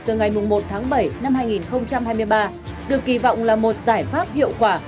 từ ngày một tháng bảy năm hai nghìn hai mươi ba được kỳ vọng là một giải pháp hiệu quả